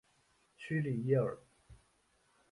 屈里耶尔。